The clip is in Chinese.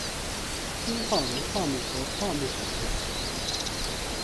坚桦为桦木科桦木属的植物。